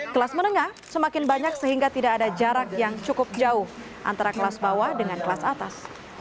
kelas menengah semakin banyak sehingga tidak ada jarak yang cukup jauh antara kelas bawah dengan kelas atas